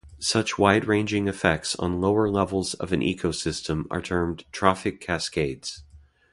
Such wide-ranging effects on lower levels of an ecosystem are termed trophic cascades.